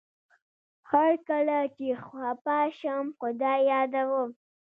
هر کله چي خپه شم خدای يادوم